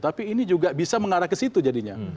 tapi ini juga bisa mengarah ke situ jadinya